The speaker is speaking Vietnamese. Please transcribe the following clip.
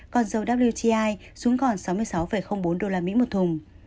còn dầu wti xuống còn sáu mươi sáu bốn usd một thùng